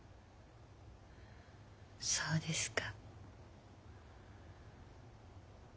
そうですか。